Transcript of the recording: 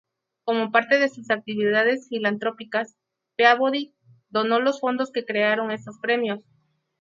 Como parte de sus actividades filantrópicas, Peabody donó los fondos que crearon estos premios.